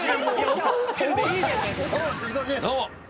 どうも。